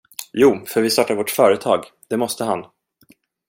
Jo, för vi startar vårt företag, det måste han.